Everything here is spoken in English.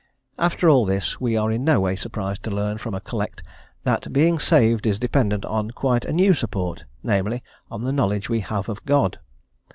After all this, we are in no way surprised to learn from a collect that being saved is dependent on quite a new support, namely, on the knowledge we have of God.